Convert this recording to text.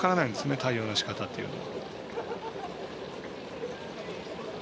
対応のしかたというのは。